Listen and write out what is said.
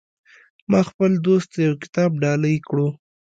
ما خپل دوست ته یو کتاب ډالۍ کړو